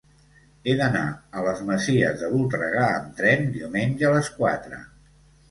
He d'anar a les Masies de Voltregà amb tren diumenge a les quatre.